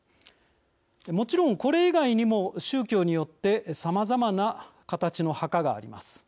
もちろん、これ以外にも宗教によってさまざまな形の墓があります。